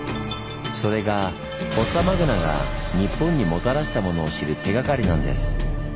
それがフォッサマグナが日本にもたらしたものを知る手がかりなんです。